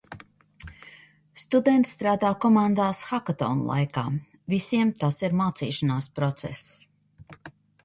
Studenti strādā komandās hakatona laikā. Visiem tas ir mācīšanās process.